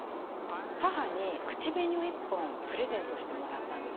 母に口紅を１本プレゼントしてもらったんですね。